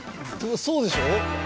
そうでしょ？